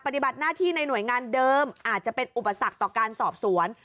ปฏิบัติหน้าที่ในหน่วยงานเดิมอาจจะเป็นอุปสรรคต่อการสอบสวน